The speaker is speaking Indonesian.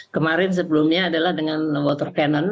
kemarin sebelumnya adalah dengan water cannon